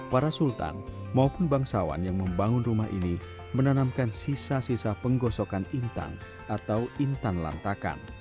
para sultan maupun bangsawan yang membangun rumah ini menanamkan sisa sisa penggosokan intan atau intan lantakan